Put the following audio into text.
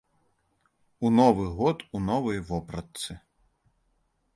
У новы год у новай вопратцы.